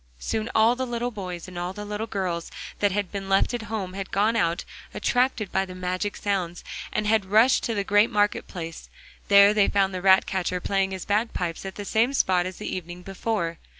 Soon all the little boys and all the little girls that had been left at home had gone out, attracted by the magic sounds, and had rushed to the great market place. There they found the ratcatcher playing his bagpipes at the same spot as the evening before.